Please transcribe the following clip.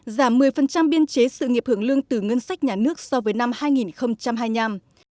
giảm một mươi biên chế sự nghiệp hưởng lương từ ngân sách nhà nước so với năm hai nghìn hai mươi năm